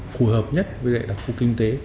phù hợp nhất với đặc phố kinh tế